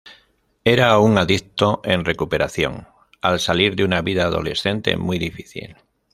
Era un adicto en recuperación, al salir de una vida adolescente muy difícil.